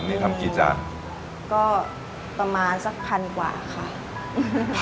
นี่ทำกี่จานก็ประมาณสักพันกว่าค่ะอืม